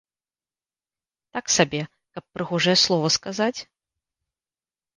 Так сабе, каб прыгожае слова сказаць?